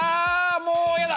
もうやだ！